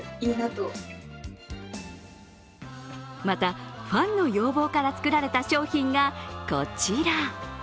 また、ファンの要望から作られた商品が、こちら。